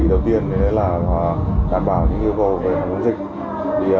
thì công tác đầu tiên là đảm bảo những yêu cầu về hành động dịch